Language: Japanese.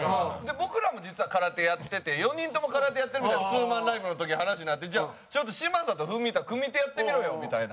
僕らも実は空手やってて４人とも空手やってるみたいなツーマンライブの時話になって「じゃあちょっと嶋佐と文田組手やってみろよ」みたいな。